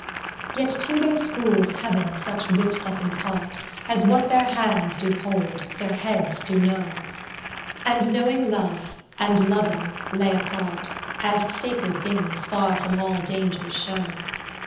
Yet to those fools heav'n such wit doth impart As what their hands do hold, their heads do know, And knowing love, and loving, lay apart, As sacred things, far from all danger's show.